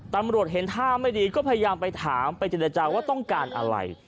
ตำรวจเห็นท่าไม่ดีก็พยายามไปถามไปเจรจาว่าต้องการอะไร